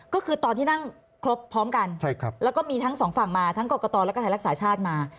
ก็คือตอนที่นั่งครบพร้อมกันแล้วก็มีทั้งสองฝั่งมาทั้งกรกตแล้วก็ไทยรักษาชาติมา